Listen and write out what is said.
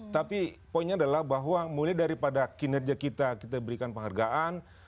tapi poinnya adalah bahwa mulai daripada kinerja kita kita berikan penghargaan